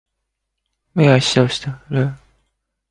雨がしとしと降る